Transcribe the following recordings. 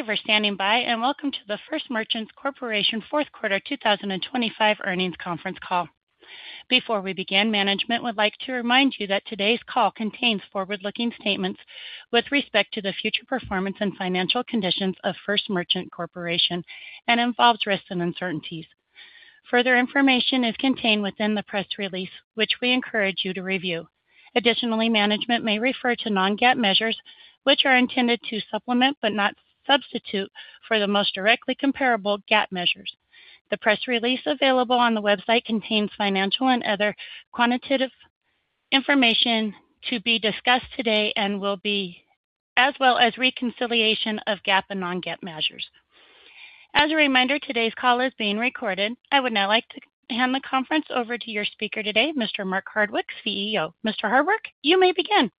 Thank you for standing by, and welcome to the First Merchants Corporation Fourth Quarter 2025 earnings conference call. Before we begin, management would like to remind you that today's call contains forward-looking statements with respect to the future performance and financial conditions of First Merchants Corporation and involves risks and uncertainties. Further information is contained within the press release, which we encourage you to review. Additionally, management may refer to non-GAAP measures, which are intended to supplement but not substitute for the most directly comparable GAAP measures. The press release available on the website contains financial and other quantitative information to be discussed today and will be, as well as reconciliation of GAAP and non-GAAP measures. As a reminder, today's call is being recorded. I would now like to hand the conference over to your speaker today, Mr. Mark Hardwick, CEO. Mr. Hardwick, you may begin.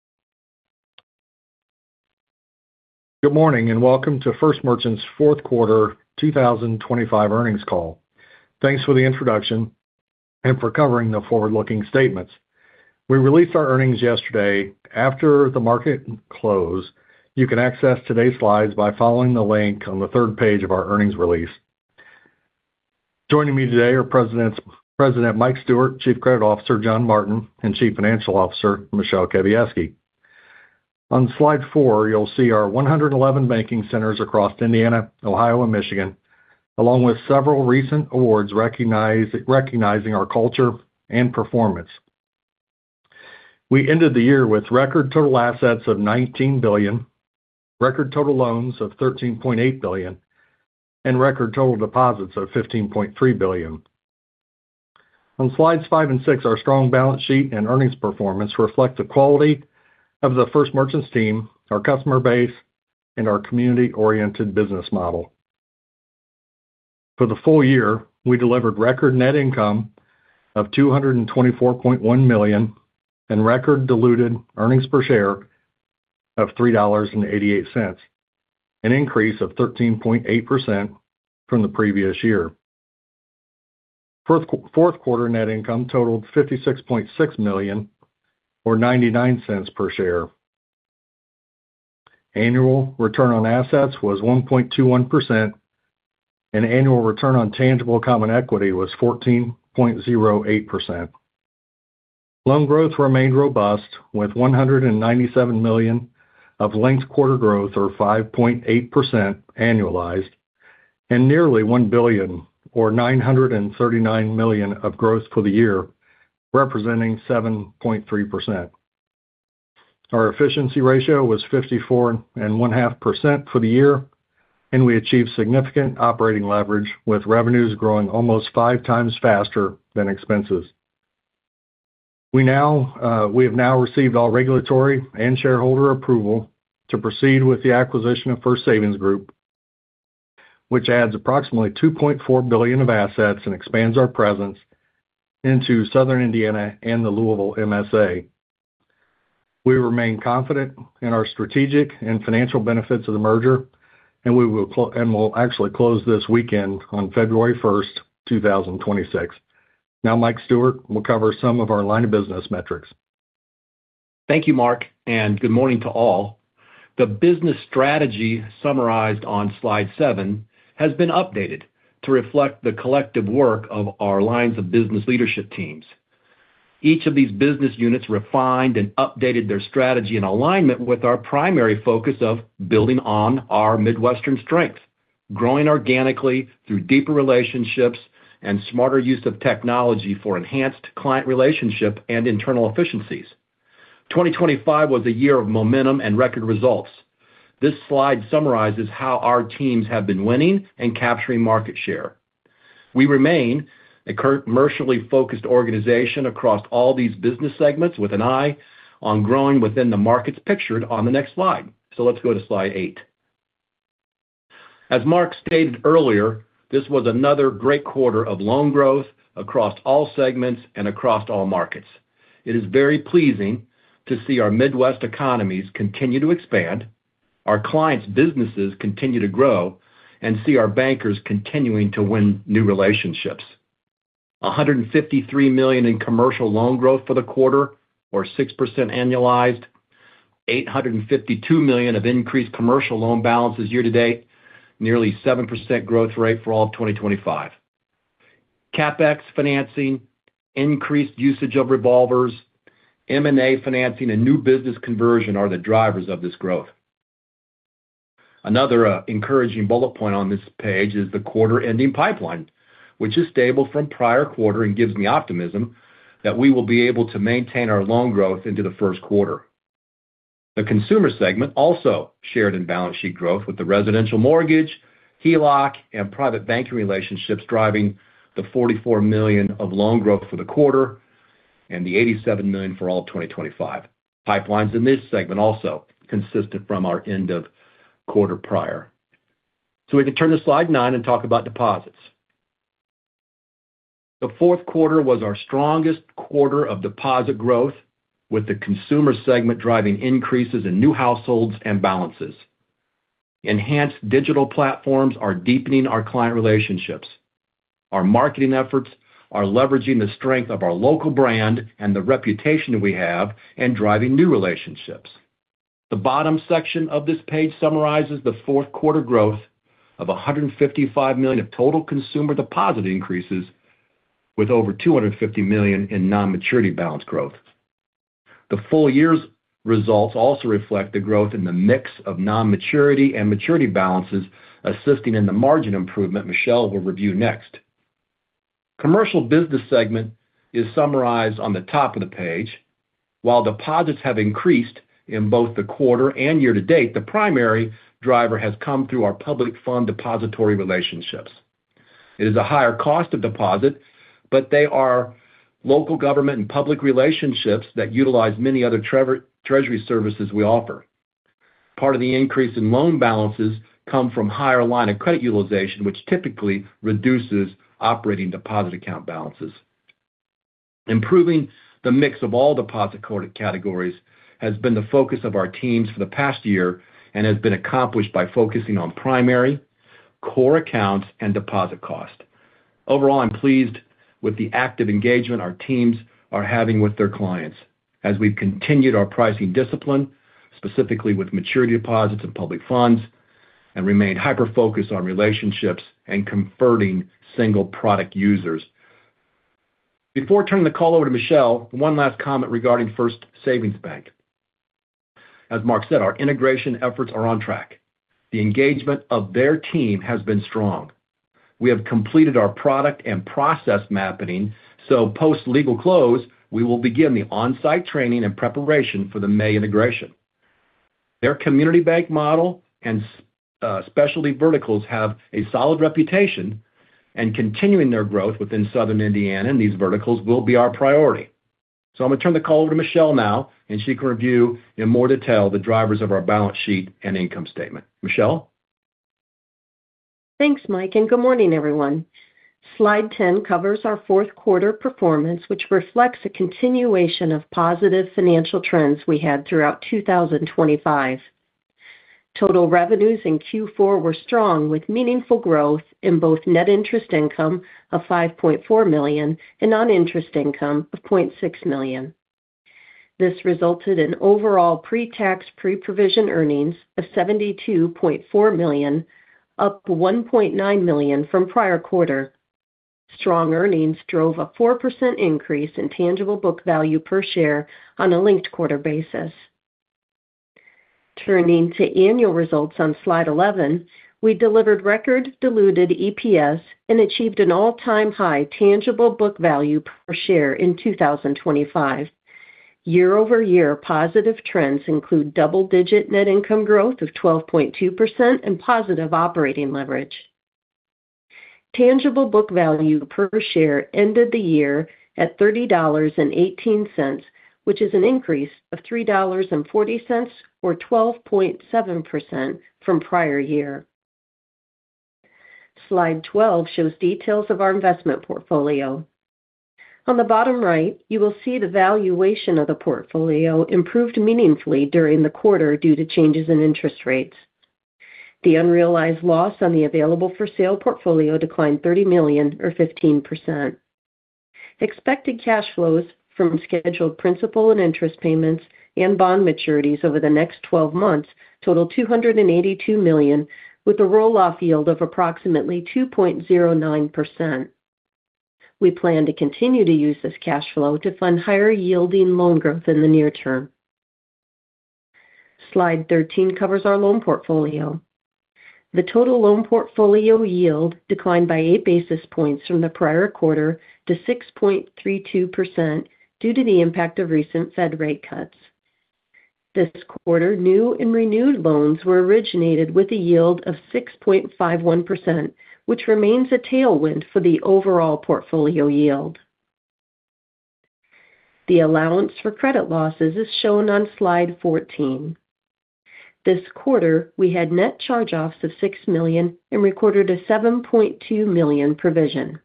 Good morning and welcome to First Merchants Fourth Quarter 2025 earnings call. Thanks for the introduction and for covering the forward-looking statements. We released our earnings yesterday after the market close. You can access today's slides by following the link on the third page of our earnings release. Joining me today are President Mike Stewart, Chief Credit Officer John Martin, and Chief Financial Officer Michele Kawiecki. On slide four, you'll see our 111 banking centers across Indiana, Ohio, and Michigan, along with several recent awards recognizing our culture and performance. We ended the year with record total assets of $19 billion, record total loans of $13.8 billion, and record total deposits of $15.3 billion. On slides five and six, our strong balance sheet and earnings performance reflect the quality of the First Merchants team, our customer base, and our community-oriented business model. For the full year, we delivered record net income of $224.1 million and record diluted earnings per share of $3.88, an increase of 13.8% from the previous year. Fourth quarter net income totaled $56.6 million or $0.99 per share. Annual return on assets was 1.21%, and annual return on tangible common equity was 14.08%. Loan growth remained robust with $197 million of linked-quarter growth or 5.8% annualized and nearly $1 billion or $939 million of growth for the year, representing 7.3%. Our efficiency ratio was 54.5% for the year, and we achieved significant operating leverage with revenues growing almost five times faster than expenses. We have now received all regulatory and shareholder approval to proceed with the acquisition of First Savings Group, which adds approximately $2.4 billion of assets and expands our presence into Southern Indiana and the Louisville MSA. We remain confident in our strategic and financial benefits of the merger, and we will actually close this weekend on February 1st, 2026. Now, Mike Stewart, we'll cover some of our line of business metrics. Thank you, Mark, and good morning to all. The business strategy summarized on slide 7 has been updated to reflect the collective work of our lines of business leadership teams. Each of these business units refined and updated their strategy in alignment with our primary focus of building on our Midwestern strength, growing organically through deeper relationships and smarter use of technology for enhanced client relationship and internal efficiencies. 2025 was a year of momentum and record results. This slide summarizes how our teams have been winning and capturing market share. We remain a commercially focused organization across all these business segments with an eye on growing within the markets pictured on the next slide. So let's go to slide 8. As Mark stated earlier, this was another great quarter of loan growth across all segments and across all markets. It is very pleasing to see our Midwest economies continue to expand, our clients' businesses continue to grow, and see our bankers continuing to win new relationships. $153 million in commercial loan growth for the quarter or 6% annualized, $852 million of increased commercial loan balances year to date, nearly 7% growth rate for all of 2025. CapEx financing, increased usage of revolvers, M&A financing, and new business conversion are the drivers of this growth. Another encouraging bullet point on this page is the quarter-ending pipeline, which is stable from prior quarter and gives me optimism that we will be able to maintain our loan growth into the first quarter. The consumer segment also shared in balance sheet growth with the residential mortgage, HELOC, and private banking relationships driving the $44 million of loan growth for the quarter and the $87 million for all of 2025. Pipelines in this segment also consistent from our end of quarter prior. So we can turn to slide 9 and talk about deposits. The fourth quarter was our strongest quarter of deposit growth with the consumer segment driving increases in new households and balances. Enhanced digital platforms are deepening our client relationships. Our marketing efforts are leveraging the strength of our local brand and the reputation we have and driving new relationships. The bottom section of this page summarizes the fourth quarter growth of $155 million of total consumer deposit increases with over $250 million in non-maturity balance growth. The full year's results also reflect the growth in the mix of non-maturity and maturity balances assisting in the margin improvement Michele will review next. Commercial business segment is summarized on the top of the page. While deposits have increased in both the quarter and year to date, the primary driver has come through our public fund depository relationships. It is a higher cost of deposit, but they are local government and public relationships that utilize many other treasury services we offer. Part of the increase in loan balances comes from higher line of credit utilization, which typically reduces operating deposit account balances. Improving the mix of all deposit categories has been the focus of our teams for the past year and has been accomplished by focusing on primary, core accounts, and deposit cost. Overall, I'm pleased with the active engagement our teams are having with their clients as we've continued our pricing discipline, specifically with maturity deposits and public funds, and remained hyper-focused on relationships and converting single product users. Before turning the call over to Michele, one last comment regarding First Savings Bank. As Mark said, our integration efforts are on track. The engagement of their team has been strong. We have completed our product and process mapping, so post-legal close, we will begin the onsite training and preparation for the May integration. Their community bank model and specialty verticals have a solid reputation and continuing their growth within Southern Indiana, and these verticals will be our priority. So I'm going to turn the call over to Michele now, and she can review in more detail the drivers of our balance sheet and income statement. Michele? Thanks, Mike, and good morning, everyone. Slide 10 covers our fourth quarter performance, which reflects a continuation of positive financial trends we had throughout 2025. Total revenues in Q4 were strong with meaningful growth in both net interest income of $5.4 million and non-interest income of $0.6 million. This resulted in overall pre-tax pre-provision earnings of $72.4 million, up $1.9 million from prior quarter. Strong earnings drove a four% increase in tangible book value per share on a linked quarter basis. Turning to annual results on slide 11, we delivered record diluted EPS and achieved an all-time high tangible book value per share in 2025. Year-over-year positive trends include double-digit net income growth of 12.2% and positive operating leverage. Tangible book value per share ended the year at $30.18, which is an increase of $3.40 or 12.7% from prior year. Slide 12 shows details of our investment portfolio. On the bottom right, you will see the valuation of the portfolio improved meaningfully during the quarter due to changes in interest rates. The unrealized loss on the available for sale portfolio declined $30 million or 15%. Expected cash flows from scheduled principal and interest payments and bond maturities over the next 12 months total $282 million, with a roll-off yield of approximately 2.09%. We plan to continue to use this cash flow to fund higher-yielding loan growth in the near term. Slide 13 covers our loan portfolio. The total loan portfolio yield declined by 8 basis points from the prior quarter to 6.32% due to the impact of recent Fed rate cuts. This quarter, new and renewed loans were originated with a yield of 6.51%, which remains a tailwind for the overall portfolio yield. The allowance for credit losses is shown on Slide 14. This quarter, we had net charge-offs of $6 million and recorded a $7.2 million provision.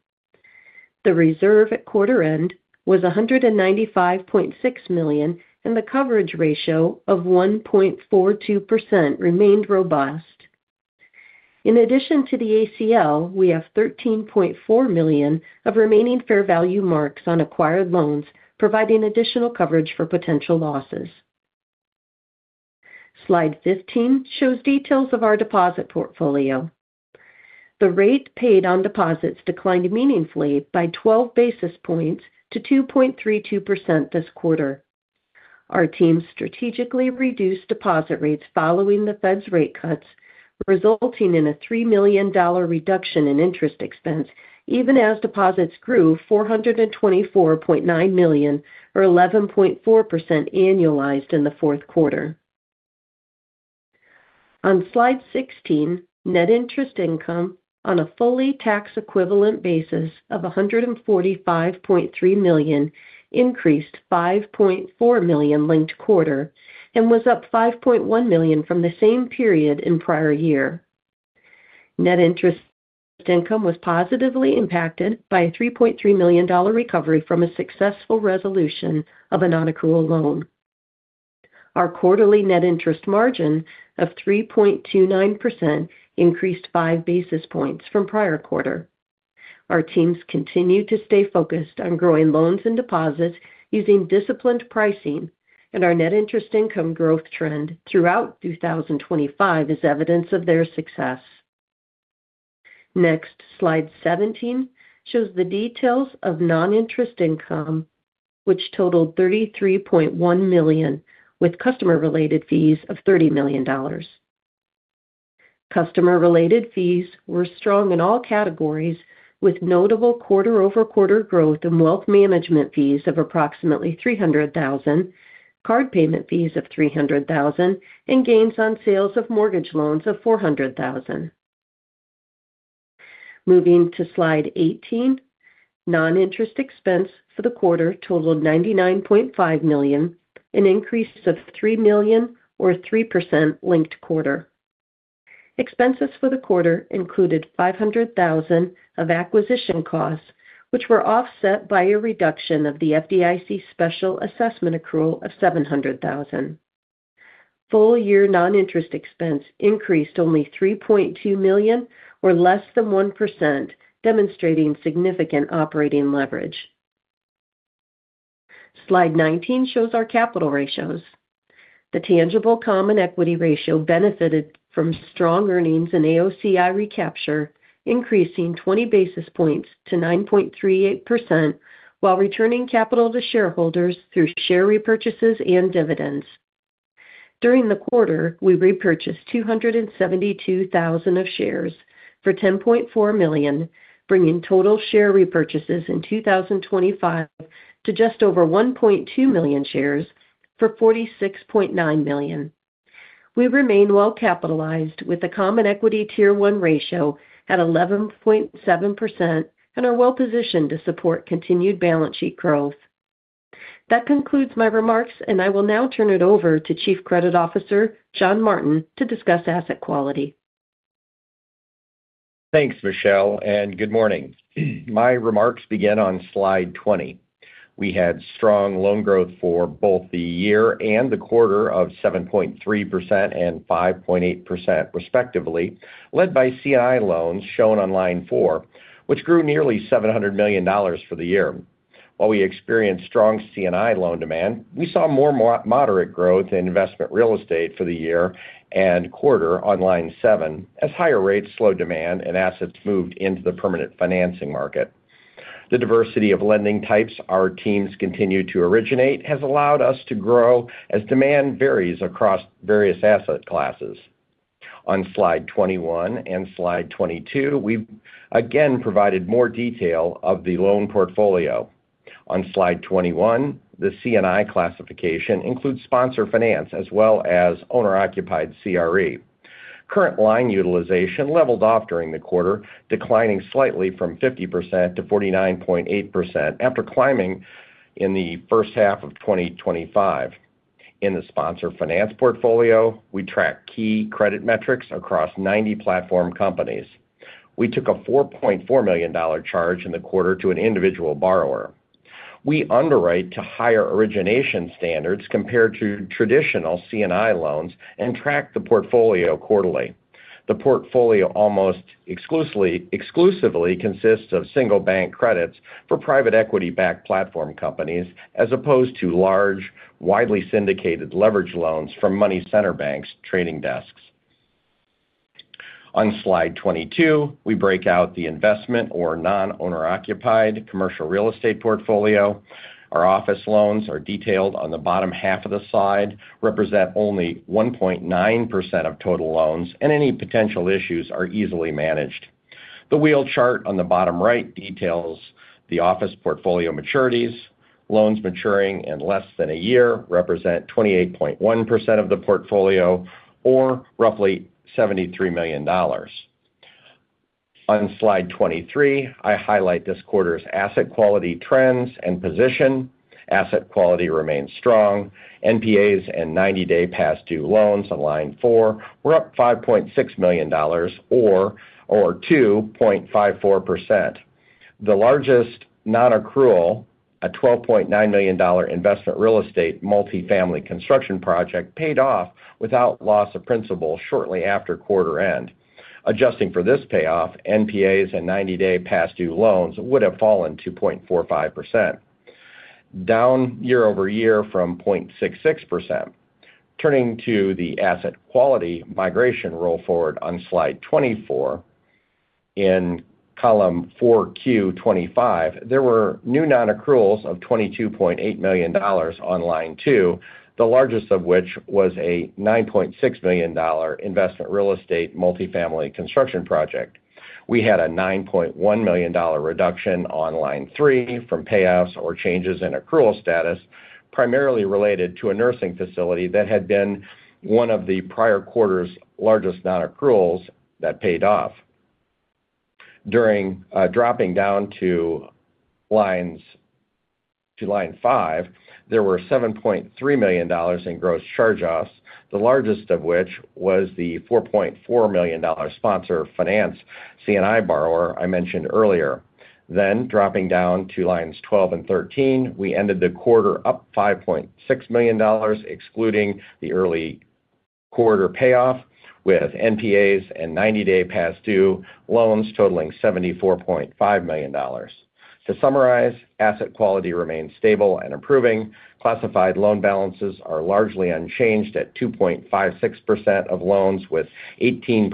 The reserve at quarter-end was $195.6 million, and the coverage ratio of 1.42% remained robust. In addition to the ACL, we have $13.4 million of remaining fair value marks on acquired loans, providing additional coverage for potential losses. Slide 15 shows details of our deposit portfolio. The rate paid on deposits declined meaningfully by 12 basis points to 2.32% this quarter. Our teams strategically reduced deposit rates following the Fed's rate cuts, resulting in a $3 million reduction in interest expense, even as deposits grew $424.9 million or 11.4% annualized in the fourth quarter. On Slide 16, net interest income on a fully tax equivalent basis of $145.3 million increased $5.4 million linked quarter and was up $5.1 million from the same period in prior year. Net interest income was positively impacted by a $3.3 million recovery from a successful resolution of a non-accrual loan. Our quarterly net interest margin of 3.29% increased five basis points from prior quarter. Our teams continue to stay focused on growing loans and deposits using disciplined pricing, and our net interest income growth trend throughout 2025 is evidence of their success. Next, slide 17 shows the details of non-interest income, which totaled $33.1 million, with customer-related fees of $30 million. Customer-related fees were strong in all categories, with notable quarter-over-quarter growth in wealth management fees of approximately $300,000, card payment fees of $300,000, and gains on sales of mortgage loans of $400,000. Moving to slide 18, non-interest expense for the quarter totaled $99.5 million, an increase of $3 million or 3% linked quarter. Expenses for the quarter included $500,000 of acquisition costs, which were offset by a reduction of the FDIC special assessment accrual of $700,000. Full-year non-interest expense increased only $3.2 million or less than 1%, demonstrating significant operating leverage. Slide 19 shows our capital ratios. The tangible common equity ratio benefited from strong earnings in AOCI recapture, increasing 20 basis points to 9.38% while returning capital to shareholders through share repurchases and dividends. During the quarter, we repurchased 272,000 of shares for $10.4 million, bringing total share repurchases in 2025 to just over 1.2 million shares for $46.9 million. We remain well-capitalized with a common equity tier one ratio at 11.7% and are well-positioned to support continued balance sheet growth. That concludes my remarks, and I will now turn it over to Chief Credit Officer John Martin to discuss asset quality. Thanks, Michele, and good morning. My remarks begin on slide 20. We had strong loan growth for both the year and the quarter of 7.3% and 5.8%, respectively, led by C&I loans shown on line 4, which grew nearly $700 million for the year. While we experienced strong C&I loan demand, we saw more moderate growth in investment real estate for the year and quarter on line 7 as higher rates slowed demand and assets moved into the permanent financing market. The diversity of lending types our teams continue to originate has allowed us to grow as demand varies across various asset classes. On slide 21 and slide 22, we've again provided more detail of the loan portfolio. On slide 21, the C&I classification includes sponsor finance as well as owner-occupied CRE. Current line utilization leveled off during the quarter, declining slightly from 50% to 49.8% after climbing in the first half of 2025. In the sponsor finance portfolio, we track key credit metrics across 90 platform companies. We took a $4.4 million charge in the quarter to an individual borrower. We underwrite to higher origination standards compared to traditional C&I loans and track the portfolio quarterly. The portfolio almost exclusively consists of single bank credits for private equity-backed platform companies as opposed to large, widely syndicated leverage loans from money center banks trading desks. On slide 22, we break out the investment or non-owner-occupied commercial real estate portfolio. Our office loans are detailed on the bottom half of the slide, represent only 1.9% of total loans, and any potential issues are easily managed. The wheel chart on the bottom right details the office portfolio maturities. Loans maturing in less than a year represent 28.1% of the portfolio or roughly $73 million. On slide 23, I highlight this quarter's asset quality trends and position. Asset quality remains strong. NPAs and 90-day past due loans on line four were up $5.6 million or 2.54%. The largest non-accrual, a $12.9 million investment real estate multifamily construction project, paid off without loss of principal shortly after quarter-end. Adjusting for this payoff, NPAs and 90-day past due loans would have fallen 2.45%, down year-over-year from 0.66%. Turning to the asset quality migration roll forward on slide 24, in column 4Q 2025, there were new non-accruals of $22.8 million on line two, the largest of which was a $9.6 million investment real estate multifamily construction project. We had a $9.1 million reduction on line three from payoffs or changes in accrual status, primarily related to a nursing facility that had been one of the prior quarter's largest non-accruals that paid off. During dropping down to line five, there were $7.3 million in gross charge-offs, the largest of which was the $4.4 million Sponsor Finance C&I borrower I mentioned earlier. Then, dropping down to lines 12 and 13, we ended the quarter up $5.6 million, excluding the early quarter payoff with NPAs and 90-day past due loans totaling $74.5 million. To summarize, asset quality remains stable and improving. Classified loan balances are largely unchanged at 2.56% of loans with 18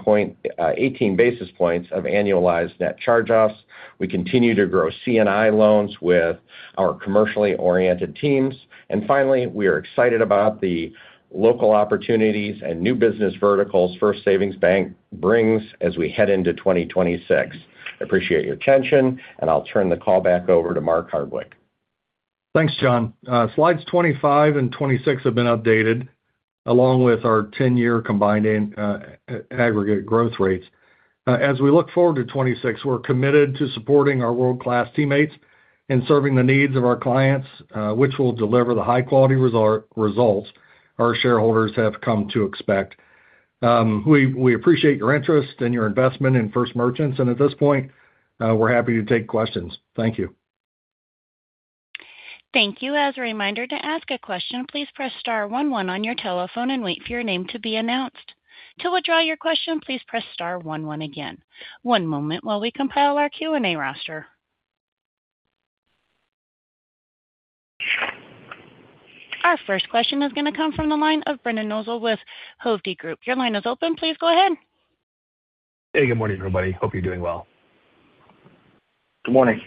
basis points of annualized net charge-offs. We continue to grow C&I loans with our commercially oriented teams. Finally, we are excited about the local opportunities and new business verticals First Savings Bank brings as we head into 2026. I appreciate your attention, and I'll turn the call back over to Mark Hardwick. Thanks, John. Slides 25 and 26 have been updated along with our 10-year combined aggregate growth rates. As we look forward to 2026, we're committed to supporting our world-class teammates and serving the needs of our clients, which will deliver the high-quality results our shareholders have come to expect. We appreciate your interest and your investment in First Merchants, and at this point, we're happy to take questions. Thank you. Thank you. As a reminder, to ask a question, please press star one one on your telephone and wait for your name to be announced. To withdraw your question, please press star one one again. One moment while we compile our Q&A roster. Our first question is going to come from the line of Brendan Nosal with Hovde Group. Your line is open. Please go ahead. Hey, good morning, everybody. Hope you're doing well. Good morning.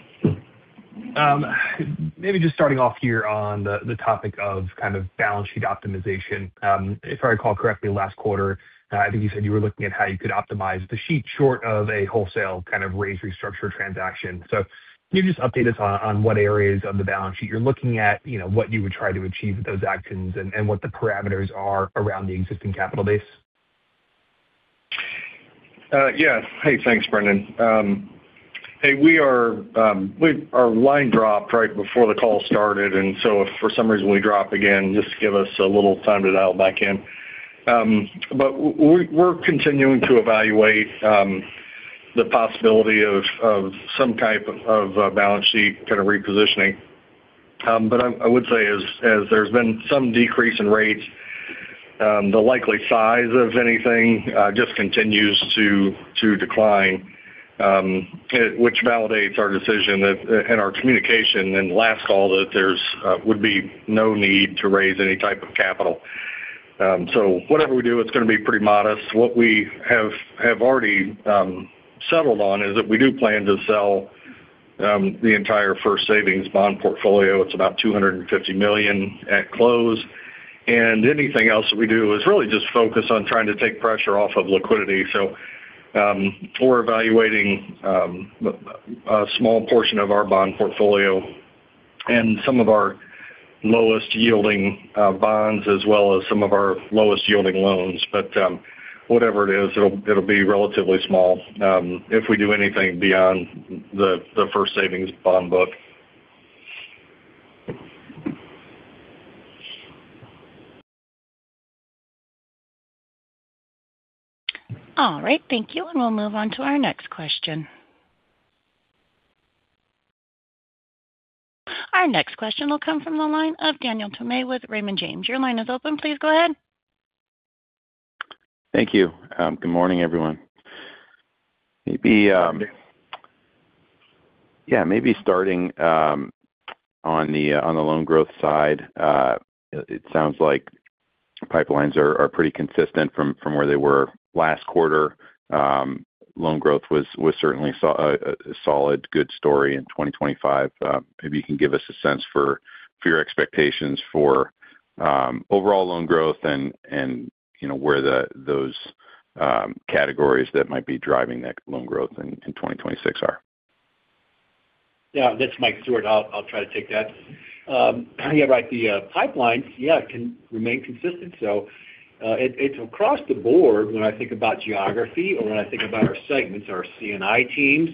Maybe just starting off here on the topic of kind of balance sheet optimization. If I recall correctly, last quarter, I think you said you were looking at how you could optimize the sheet short of a wholesale kind of raise restructure transaction. So can you just update us on what areas of the balance sheet you're looking at, what you would try to achieve with those actions, and what the parameters are around the existing capital base? Yeah. Hey, thanks, Brendan. Hey, our line dropped right before the call started, and so if for some reason we drop again, just give us a little time to dial back in. But we're continuing to evaluate the possibility of some type of balance sheet kind of repositioning. But I would say, as there's been some decrease in rates, the likely size of anything just continues to decline, which validates our decision and our communication and last call that there would be no need to raise any type of capital. So whatever we do, it's going to be pretty modest. What we have already settled on is that we do plan to sell the entire First Savings bond portfolio. It's about $250 million at close. And anything else that we do is really just focus on trying to take pressure off of liquidity. So we're evaluating a small portion of our bond portfolio and some of our lowest-yielding bonds as well as some of our lowest-yielding loans. But whatever it is, it'll be relatively small if we do anything beyond the First Savings bond book. All right. Thank you. And we'll move on to our next question. Our next question will come from the line of Daniel Tamayo with Raymond James. Your line is open. Please go ahead. Thank you. Good morning, everyone. Yeah, maybe starting on the loan growth side, it sounds like pipelines are pretty consistent from where they were last quarter. Loan growth was certainly a solid, good story in 2025. Maybe you can give us a sense for your expectations for overall loan growth and where those categories that might be driving that loan growth in 2026 are? Yeah. Its Mike Stewart. I'll try to take that. Yeah, right. The pipelines, yeah, can remain consistent. So it's across the board when I think about geography or when I think about our segments, our C&I teams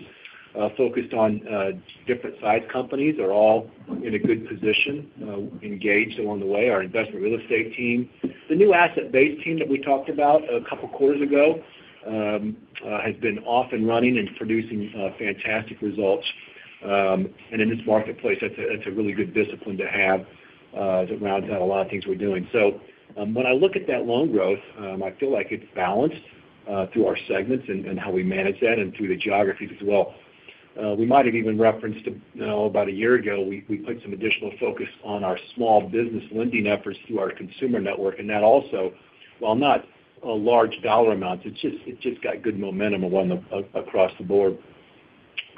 focused on different size companies are all in a good position, engaged along the way. Our investment real estate team, the new asset-based team that we talked about a couple of quarters ago, has been off and running and producing fantastic results. And in this marketplace, that's a really good discipline to have around a lot of things we're doing. So when I look at that loan growth, I feel like it's balanced through our segments and how we manage that and through the geographies as well. We might have even referenced about a year ago, we put some additional focus on our small business lending efforts through our consumer network. That also, while not large dollar amounts, it just got good momentum across the board.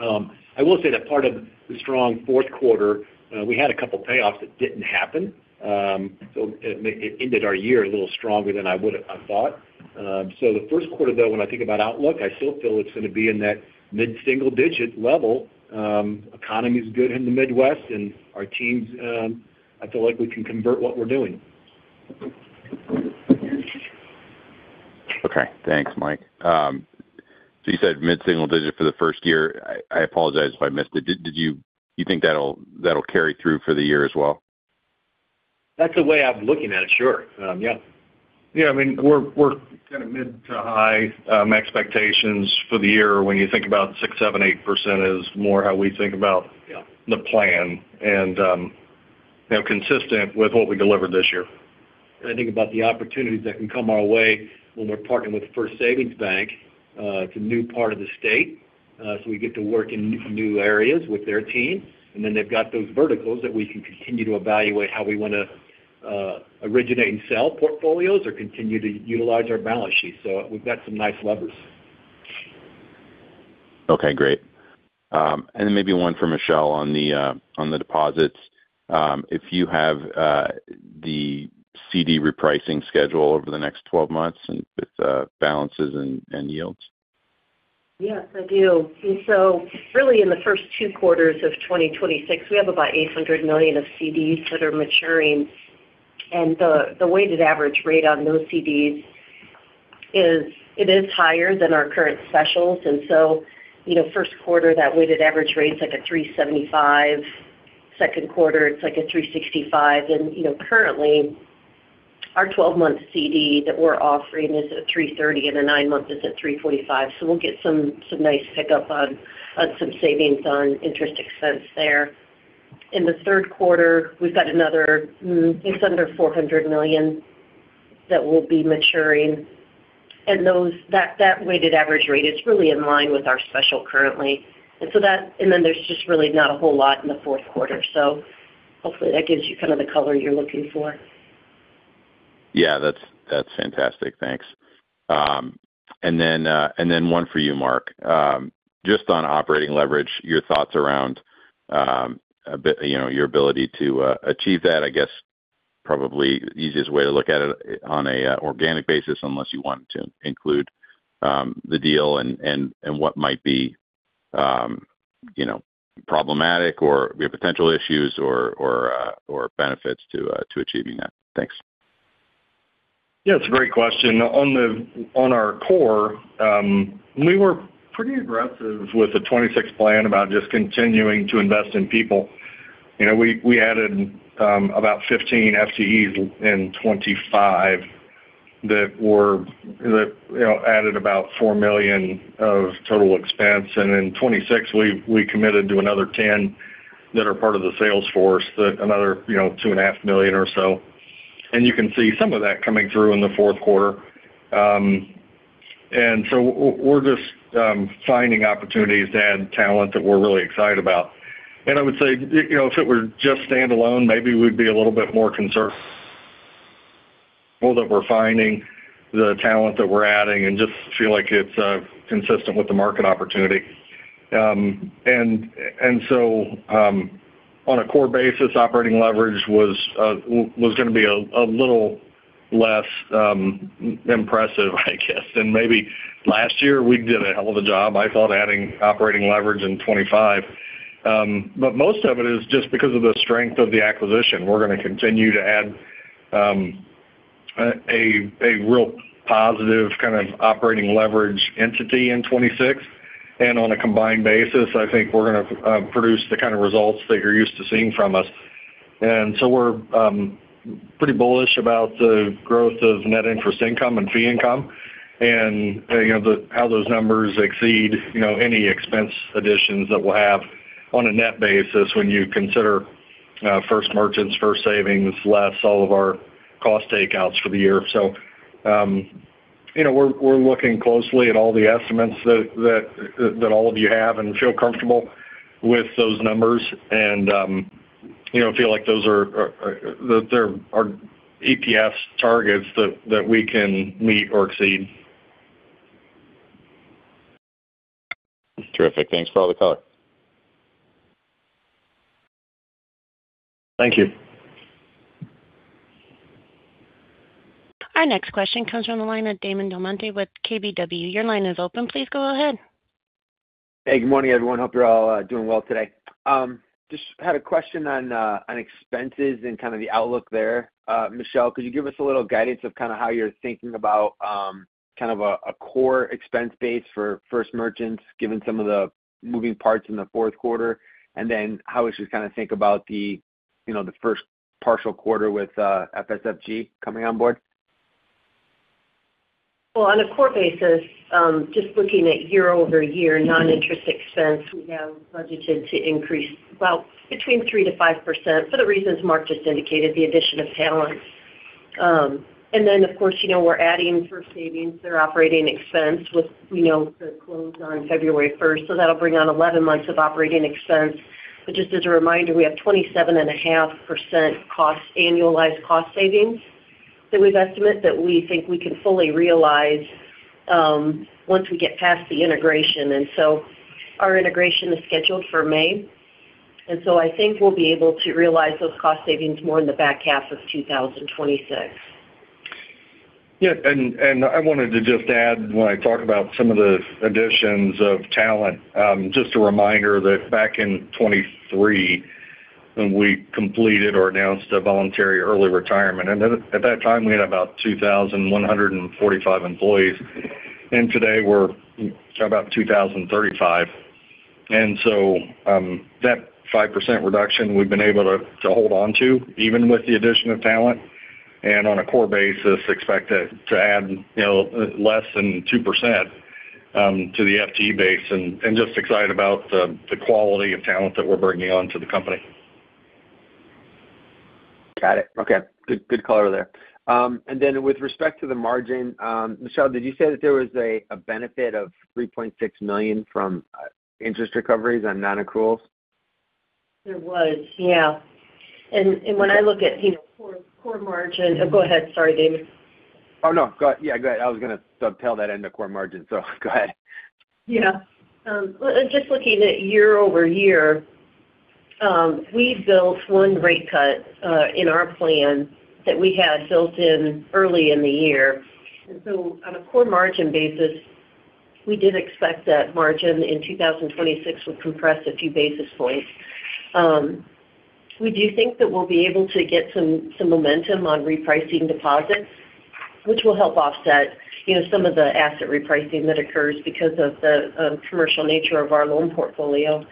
I will say that part of the strong fourth quarter, we had a couple of payoffs that didn't happen. It ended our year a little stronger than I would have thought. The first quarter, though, when I think about outlook, I still feel it's going to be in that mid-single-digit level. Economy is good in the Midwest, and our teams, I feel like we can convert what we're doing. Okay. Thanks, Mike. So you said mid-single digit for the first year. I apologize if I missed it. Do you think that'll carry through for the year as well? That's the way I'm looking at it. Sure. Yeah. I mean, we're kind of mid to high expectations for the year. When you think about 6%, 7%, 8% is more how we think about the plan and consistent with what we delivered this year. I think about the opportunities that can come our way when we're partnering with First Savings Bank. It's a new part of the state, so we get to work in new areas with their team. Then they've got those verticals that we can continue to evaluate how we want to originate and sell portfolios or continue to utilize our balance sheets. We've got some nice levers. Okay. Great. And then maybe one for Michele on the deposits. If you have the CD repricing schedule over the next 12 months with balances and yields. Yes, I do. And so really, in the first two quarters of 2026, we have about $800 million of CDs that are maturing. And the weighted average rate on those CDs, it is higher than our current specials. And so first quarter, that weighted average rate's like 3.75%. Second quarter, it's like 3.65%. And currently, our 12-month CD that we're offering is at 3.30%, and a 9-month is at 3.45%. So we'll get some nice pickup on some savings on interest expense there. In the third quarter, we've got another it's under $400 million that will be maturing. And that weighted average rate is really in line with our special currently. And then there's just really not a whole lot in the fourth quarter. So hopefully, that gives you kind of the color you're looking for. Yeah. That's fantastic. Thanks. And then one for you, Mark. Just on operating leverage, your thoughts around your ability to achieve that, I guess, probably the easiest way to look at it on an organic basis, unless you want to include the deal and what might be problematic or potential issues or benefits to achieving that. Thanks. Yeah. It's a great question. On our core, we were pretty aggressive with the 2026 plan about just continuing to invest in people. We added about 15 FTEs in 2025 that added about $4 million of total expense. And in 2026, we committed to another 10 that are part of the sales force, another $2.5 million or so. And you can see some of that coming through in the fourth quarter. And so we're just finding opportunities to add talent that we're really excited about. And I would say, if it were just standalone, maybe we'd be a little bit more concerned that we're finding the talent that we're adding and just feel like it's consistent with the market opportunity. And so on a core basis, operating leverage was going to be a little less impressive, I guess. Maybe last year, we did a hell of a job, I thought, adding operating leverage in 2025. But most of it is just because of the strength of the acquisition. We're going to continue to add a real positive kind of operating leverage entity in 2026. On a combined basis, I think we're going to produce the kind of results that you're used to seeing from us. So we're pretty bullish about the growth of net interest income and fee income and how those numbers exceed any expense additions that we'll have on a net basis when you consider First Merchants, First Savings, less all of our cost takeouts for the year. We're looking closely at all the estimates that all of you have and feel comfortable with those numbers and feel like those are our EPS targets that we can meet or exceed. Terrific. Thanks for all the color. Thank you. Our next question comes from the line of Damon DelMonte with KBW. Your line is open. Please go ahead. Hey, good morning, everyone. Hope you're all doing well today. Just had a question on expenses and kind of the outlook there. Michele, could you give us a little guidance of kind of how you're thinking about kind of a core expense base for First Merchants, given some of the moving parts in the fourth quarter, and then how we should kind of think about the first partial quarter with FSFG coming on board? Well, on a core basis, just looking at year-over-year non-interest expense, we have budgeted to increase about between 3%-5% for the reasons Mark just indicated, the addition of talent. And then, of course, we're adding First Savings their operating expense with the close on February 1st. So that'll bring on 11 months of operating expense. But just as a reminder, we have 27.5% annualized cost savings that we've estimated that we think we can fully realize once we get past the integration. And so our integration is scheduled for May. And so I think we'll be able to realize those cost savings more in the back half of 2026. Yeah. I wanted to just add when I talk about some of the additions of talent, just a reminder that back in 2023, when we completed or announced a voluntary early retirement, at that time, we had about 2,145 employees. Today, we're about 2,035. So that 5% reduction, we've been able to hold on to even with the addition of talent. On a core basis, expect to add less than 2% to the FTE base and just excited about the quality of talent that we're bringing on to the company. Got it. Okay. Good color there. And then with respect to the margin, Michele, did you say that there was a benefit of $3.6 million from interest recoveries on non-accrual loans? There was. Yeah. And when I look at core margin, oh, go ahead. Sorry, Damon. Oh, no. Yeah. Go ahead. I was going to dovetail that into core margin. So go ahead. Yeah. Just looking at year-over-year, we built one rate cut in our plan that we had built in early in the year. And so on a core margin basis, we did expect that margin in 2026 would compress a few basis points. We do think that we'll be able to get some momentum on repricing deposits, which will help offset some of the asset repricing that occurs because of the commercial nature of our loan portfolio.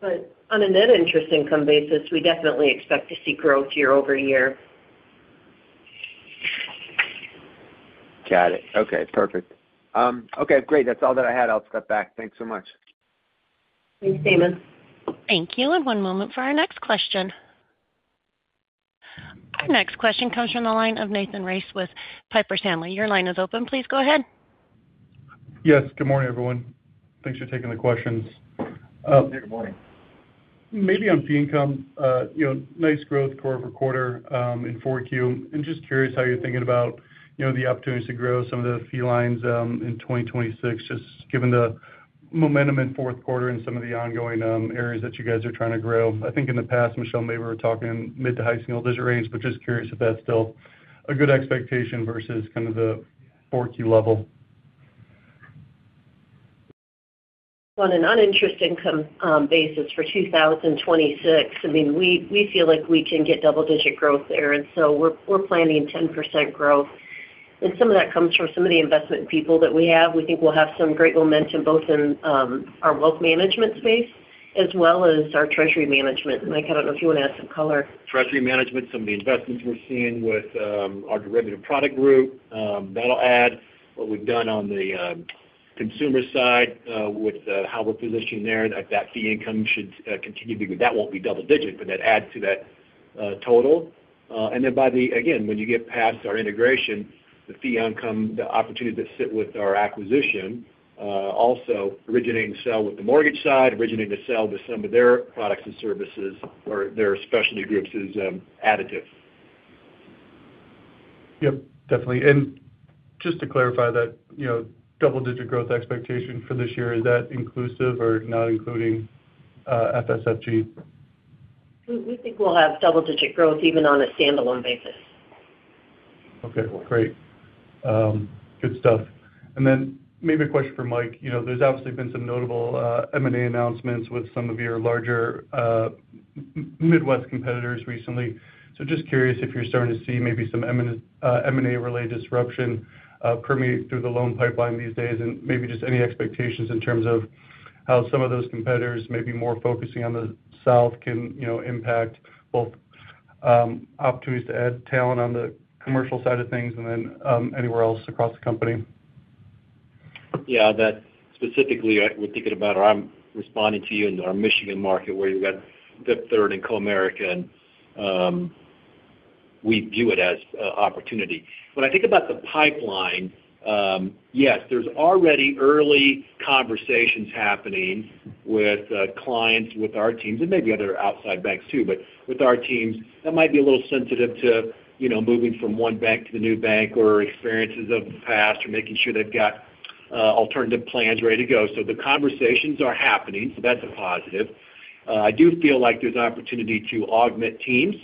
But on a net interest income basis, we definitely expect to see growth year-over-year. Got it. Okay. Perfect. Okay. Great. That's all that I had. I'll step back. Thanks so much. Thanks, Damon. Thank you. One moment for our next question. Our next question comes from the line of Nathan Race with Piper Sandler. Your line is open. Please go ahead. Yes. Good morning, everyone. Thanks for taking the questions. Hey. Good morning. Maybe on fee income, nice growth quarter-over-quarter in 4Q. I'm just curious how you're thinking about the opportunities to grow some of the fee lines in 2026, just given the momentum in fourth quarter and some of the ongoing areas that you guys are trying to grow. I think in the past, Michele, maybe we're talking mid to high single-digit range, but just curious if that's still a good expectation versus kind of the 4Q level. On a noninterest income basis for 2026, I mean, we feel like we can get double-digit growth there. And so we're planning 10% growth. And some of that comes from some of the investment people that we have. We think we'll have some great momentum both in our wealth management space as well as our treasury management. Mike, I don't know if you want to add some color. Treasury management, some of the investments we're seeing with our derivative product group. That'll add what we've done on the consumer side with how we're positioning there. That fee income should continue to be. That won't be double-digit, but that adds to that total. And then, when you get past our integration, the fee income, the opportunities that sit with our acquisition, also originating to sell with the mortgage side, originating to sell with some of their products and services or their specialty groups is additive. Yep. Definitely. And just to clarify that double-digit growth expectation for this year, is that inclusive or not including FSFG? We think we'll have double-digit growth even on a standalone basis. Okay. Great. Good stuff. And then maybe a question for Mike. There's obviously been some notable M&A announcements with some of your larger Midwest competitors recently. So just curious if you're starting to see maybe some M&A-related disruption permeate through the loan pipeline these days and maybe just any expectations in terms of how some of those competitors, maybe more focusing on the South, can impact both opportunities to add talent on the commercial side of things and then anywhere else across the company. Yeah. Specifically, we're thinking about or I'm responding to you in our Michigan market where you've got Fifth Third and Comerica, and we view it as an opportunity. When I think about the pipeline, yes, there's already early conversations happening with clients, with our teams, and maybe other outside banks too. But with our teams, that might be a little sensitive to moving from one bank to the new bank or experiences of the past or making sure they've got alternative plans ready to go. So the conversations are happening. So that's a positive. I do feel like there's an opportunity to augment teams.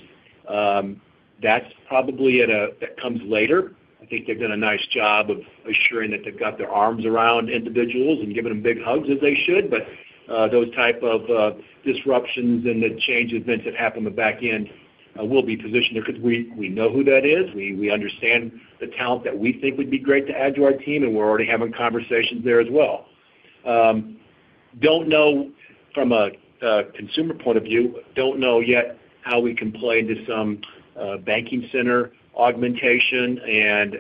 That's probably at a that comes later. I think they've done a nice job of assuring that they've got their arms around individuals and giving them big hugs as they should. But those types of disruptions and the change events that happen on the back end will be positioned because we know who that is. We understand the talent that we think would be great to add to our team, and we're already having conversations there as well. From a consumer point of view, don't know yet how we can play into some banking center augmentation and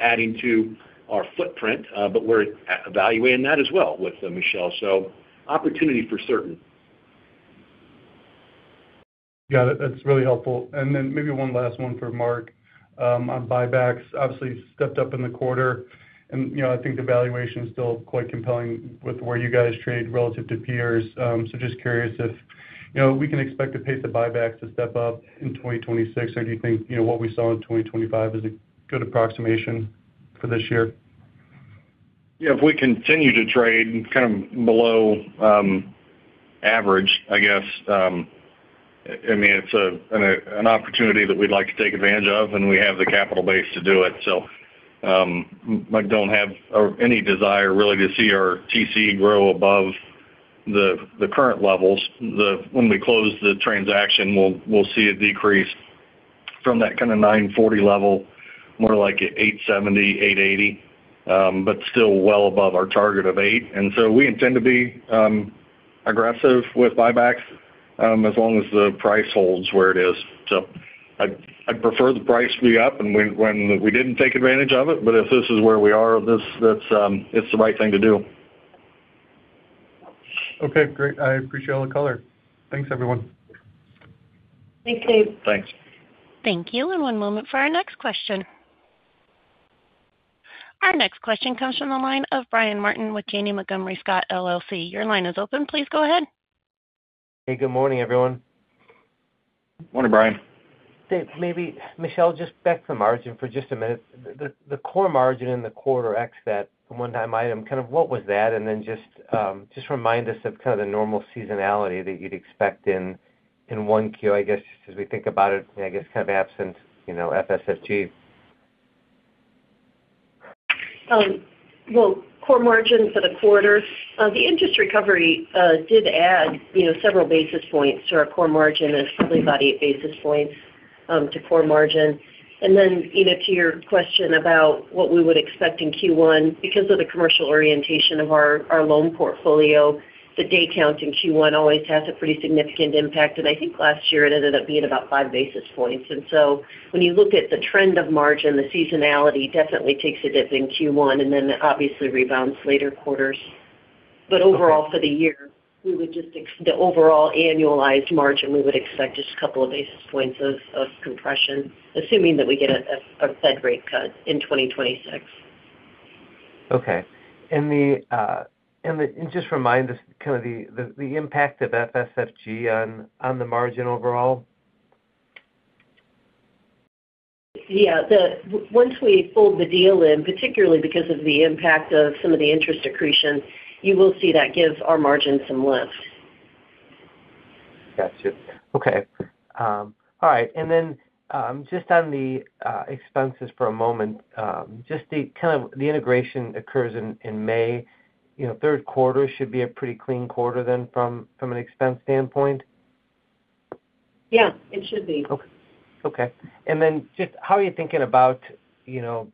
adding to our footprint, but we're evaluating that as well with Michele. So opportunity for certain. Got it. That's really helpful. And then maybe one last one for Mark on buybacks. Obviously, stepped up in the quarter. And I think the valuation is still quite compelling with where you guys trade relative to peers. So just curious if we can expect to pace the buybacks to step up in 2026, or do you think what we saw in 2025 is a good approximation for this year? Yeah. If we continue to trade kind of below average, I guess, I mean, it's an opportunity that we'd like to take advantage of, and we have the capital base to do it. So I don't have any desire really to see our TC grow above the current levels. When we close the transaction, we'll see a decrease from that kind of 940 level more like 870, 880, but still well above our target of 8. And so we intend to be aggressive with buybacks as long as the price holds where it is. So I'd prefer the price to be up when we didn't take advantage of it. But if this is where we are, that's the right thing to do. Okay. Great. I appreciate all the color. Thanks, everyone. Thanks, Dave. Thanks. Thank you. One moment for our next question. Our next question comes from the line of Brian Martin with Janney Montgomery Scott, LLC. Your line is open. Please go ahead. Hey. Good morning, everyone. Morning, Brian. Dave, maybe Michelle, just back to the margin for just a minute. The core margin in the quarter ex that one-time item, kind of what was that? And then just remind us of kind of the normal seasonality that you'd expect in 1Q, I guess, just as we think about it, I guess, kind of absent FSFG. Well, core margin for the quarter, the interest recovery did add several basis points to our core margin and is probably about 8 basis points to core margin. And then to your question about what we would expect in Q1, because of the commercial orientation of our loan portfolio, the day count in Q1 always has a pretty significant impact. And I think last year it ended up being about 5 basis points. And so when you look at the trend of margin, the seasonality definitely takes a dip in Q1 and then obviously rebounds later quarters. But overall for the year, the overall annualized margin, we would expect just a couple of basis points of compression, assuming that we get a Fed rate cut in 2026. Okay. And just remind us kind of the impact of FSFG on the margin overall? Yeah. Once we fold the deal in, particularly because of the impact of some of the interest accretion, you will see that give our margin some lift. Gotcha. Okay. All right. And then just on the expenses for a moment, just kind of the integration occurs in May. Third quarter should be a pretty clean quarter then from an expense standpoint? Yeah. It should be. Okay. Okay. And then just how are you thinking about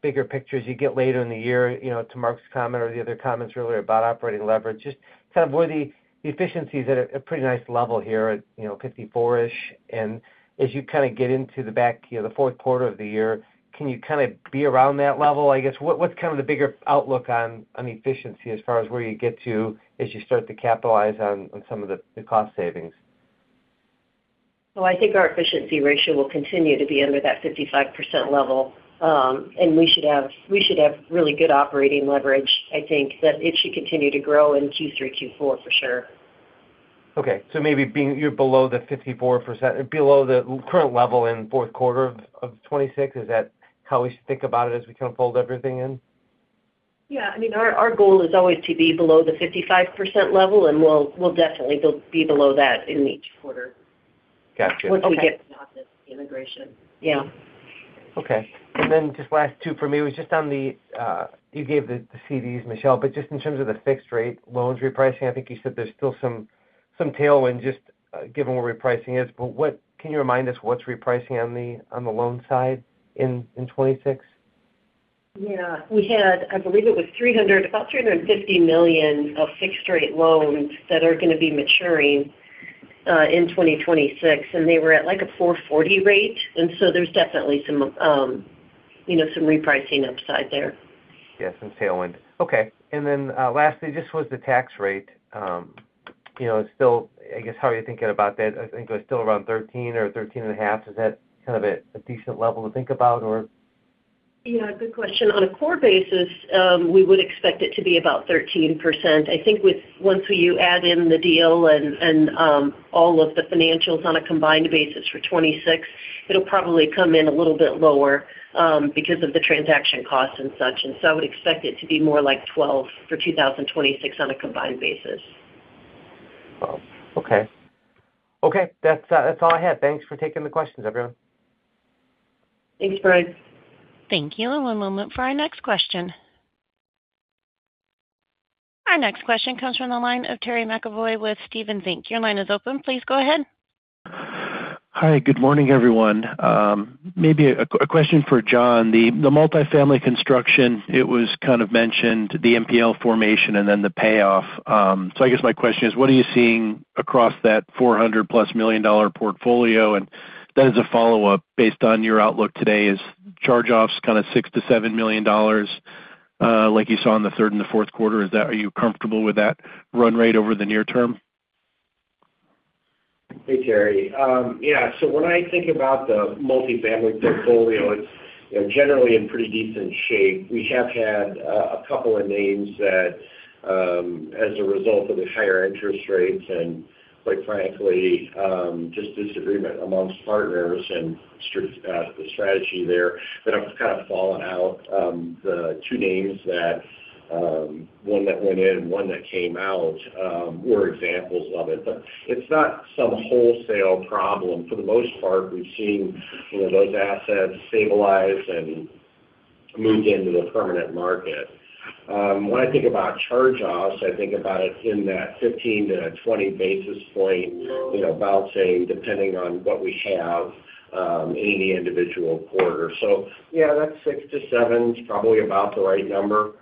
bigger pictures? You get later in the year to Mark's comment or the other comments earlier about operating leverage, just kind of where the efficiencies at a pretty nice level here at 54-ish. And as you kind of get into the back, the fourth quarter of the year, can you kind of be around that level? I guess what's kind of the bigger outlook on efficiency as far as where you get to as you start to capitalize on some of the cost savings? Well, I think our Efficiency Ratio will continue to be under that 55% level. We should have really good Operating Leverage, I think, that it should continue to grow in Q3, Q4 for sure. Okay. So maybe being you're below the 54%, below the current level in fourth quarter of 2026. Is that how we should think about it as we kind of fold everything in? Yeah. I mean, our goal is always to be below the 55% level, and we'll definitely be below that in each quarter. Gotcha. Okay. Once we get past the integration. Yeah. Okay. And then just last two for me. It was just on the you gave the CDs, Michele, but just in terms of the fixed-rate loans repricing, I think you said there's still some tailwind just given where repricing is. But can you remind us what's repricing on the loan side in 2026? Yeah. We had, I believe it was about $350 million of fixed-rate loans that are going to be maturing in 2026. They were at like a 4.40% rate. So there's definitely some repricing upside there. Yeah. Some tailwind. Okay. And then lastly, just was the tax rate still I guess how are you thinking about that? I think it was still around 13 or 13.5. Is that kind of a decent level to think about, or? Yeah. Good question. On a core basis, we would expect it to be about 13%. I think once you add in the deal and all of the financials on a combined basis for 2026, it'll probably come in a little bit lower because of the transaction costs and such. And so I would expect it to be more like 12% for 2026 on a combined basis. Okay. Okay. That's all I had. Thanks for taking the questions, everyone. Thanks, Brian. Thank you. One moment for our next question. Our next question comes from the line of Terry McEvoy with Stephens Inc. Your line is open. Please go ahead. Hi. Good morning, everyone. Maybe a question for John. The multifamily construction, it was kind of mentioned the NPL formation and then the payoff. So I guess my question is, what are you seeing across that $400+ million portfolio? And that is a follow-up based on your outlook today, is charge-offs kind of $6 million-$7 million like you saw in the third and the fourth quarter. Are you comfortable with that run rate over the near term? Hey, Terry. Yeah. So when I think about the multifamily portfolio, it's generally in pretty decent shape. We have had a couple of names that, as a result of the higher interest rates and quite frankly, just disagreement amongst partners and the strategy there, that have kind of fallen out. The two names, one that went in and one that came out, were examples of it. But it's not some wholesale problem. For the most part, we've seen those assets stabilize and moved into the permanent market. When I think about charge-offs, I think about it in that 15-20 basis points, bouncing depending on what we have in the individual quarter. So yeah, that 6-7 is probably about the right number.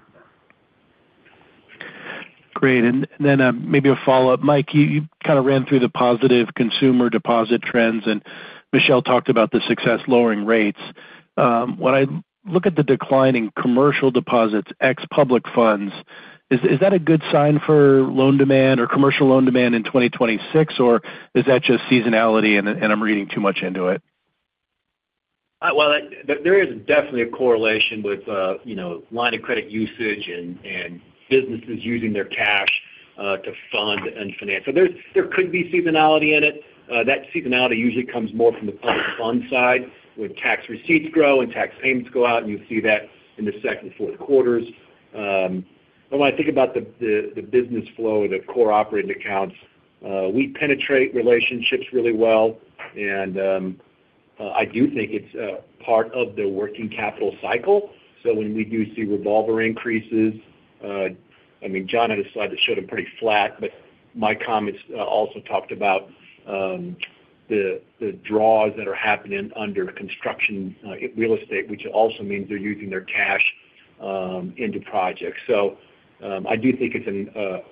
Great. Then maybe a follow-up. Mike, you kind of ran through the positive consumer deposit trends, and Michele talked about the success lowering rates. When I look at the decline in commercial deposits ex public funds, is that a good sign for loan demand or commercial loan demand in 2026, or is that just seasonality and I'm reading too much into it? Well, there is definitely a correlation with line of credit usage and businesses using their cash to fund and finance. So there could be seasonality in it. That seasonality usually comes more from the public fund side when tax receipts grow and tax payments go out, and you see that in the second and fourth quarters. But when I think about the business flow of the core operating accounts, we penetrate relationships really well. And I do think it's part of the working capital cycle. So when we do see revolver increases, I mean, John had a slide that showed them pretty flat, but my comments also talked about the draws that are happening under construction real estate, which also means they're using their cash into projects. So I do think it's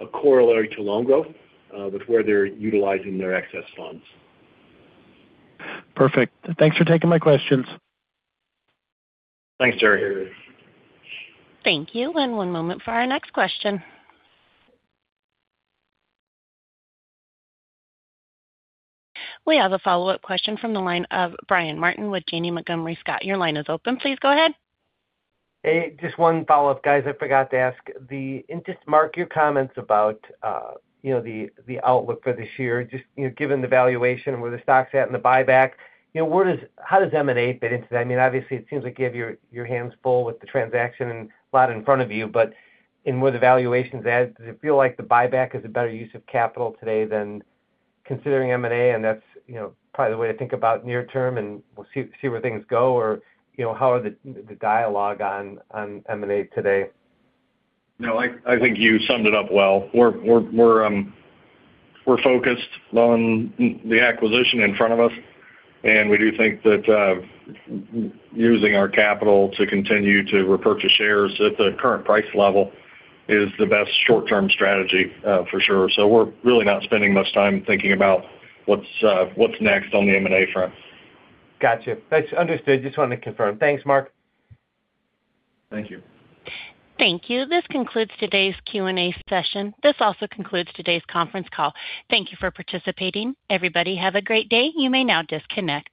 a corollary to loan growth with where they're utilizing their excess funds. Perfect. Thanks for taking my questions. Thanks, Jerry. Thank you. One moment for our next question. We have a follow-up question from the line of Brian Martin with Janney Montgomery Scott. Your line is open. Please go ahead. Hey. Just one follow-up, guys. I forgot to ask. That's interesting, Mark. Your comments about the outlook for this year, just given the valuation where the stock's at and the buyback, how does M&A fit into that? I mean, obviously, it seems like you have your hands full with the transaction and a lot in front of you. But given where the valuation's at, does it feel like the buyback is a better use of capital today than considering M&A? And that's probably the way to think about near term and see where things go, or how is the dialogue on M&A today? No. I think you summed it up well. We're focused on the acquisition in front of us, and we do think that using our capital to continue to repurchase shares at the current price level is the best short-term strategy for sure. So we're really not spending much time thinking about what's next on the M&A front. Gotcha. Understood. Just wanted to confirm. Thanks, Mark. Thank you. Thank you. This concludes today's Q&A session. This also concludes today's conference call. Thank you for participating. Everybody, have a great day. You may now disconnect.